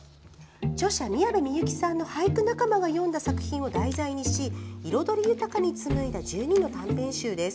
著者・宮部みゆきさんの俳句仲間が詠んだ作品を題材にし彩り豊かに紡いだ１２の短編集です。